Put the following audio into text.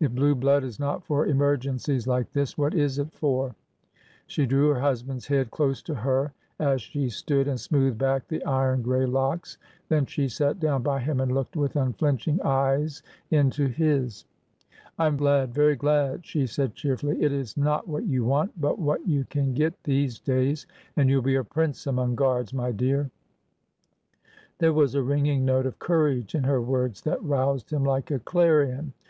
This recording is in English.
If blue blood is not for emergencies like this, what is it for? She drew her hus band's head close to her as she stood, and smoothed back the iron gray locks. Then she sat down by him and looked with unflinching eyes into his. 364 ORDER NO. 11 I am very, very glad,^' she said cheerfully. It is not what you want, but what you can get, these days! And you dl be a prince among guards, my dear 1 There was a ringing note of courage in her words that roused him like a clarion.